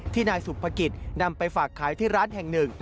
นายสุภกิจนำไปฝากขายที่ร้านแห่งหนึ่ง